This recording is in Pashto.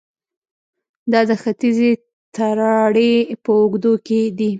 دا د ختیځې تراړې په اوږدو کې دي